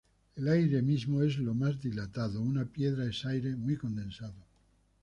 El aire mismo es lo más dilatado, una piedra es aire muy condensado.